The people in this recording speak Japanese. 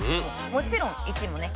もちろん１位もね